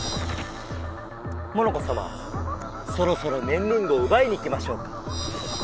モノコさまそろそろねんリングをうばいに行きましょうか？